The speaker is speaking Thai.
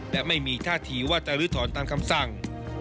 และไม่มีท่าทีว่าจะลื้อถอนตามคำสั่ง